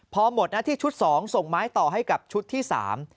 พอหมดหน้าที่ชุดสองส่งไม้ต่อให้กับชุดที่สาม